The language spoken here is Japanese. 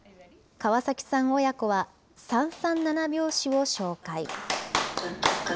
川崎さん親子は、三三七拍子を紹介。